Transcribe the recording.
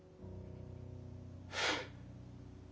フッ。